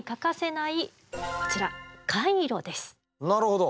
なるほど。